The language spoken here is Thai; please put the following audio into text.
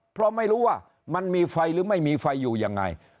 เพราะไม่รู้ว่ามันมีไฟหรือไม่มีไฟอยู่ยังไง